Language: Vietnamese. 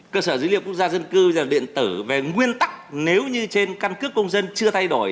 cơ sở dữ liệu quốc gia dân cư điện tử về nguyên tắc nếu như trên căn cước công dân chưa thay đổi